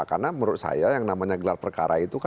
karena menurut saya yang namanya gelar perkara itu